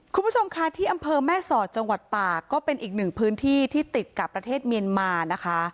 คุณผู้ชมค่ะที่อำเภอแม่สอดจังหวัดตากก็เป็นอีกหนึ่งพื้นที่ที่ติดกับประเทศเมียนมานะคะ